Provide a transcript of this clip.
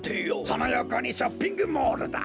そのよこにショッピングモールだ。